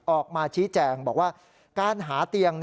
ออกมาชี้แจงบอกว่าการหาเตียง